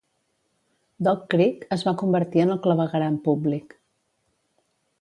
Dock Creek es va convertir en el clavegueram públic.